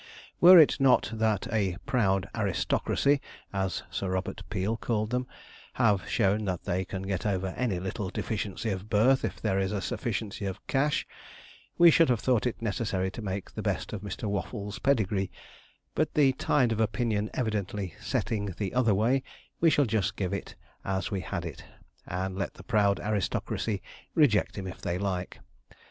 Were it not that a 'proud aristocracy,' as Sir Robert Peel called them, have shown that they can get over any little deficiency of birth if there is sufficiency of cash, we should have thought it necessary to make the best of Mr. Waffles' pedigree, but the tide of opinion evidently setting the other way, we shall just give it as we had it, and let the proud aristocracy reject him if they like.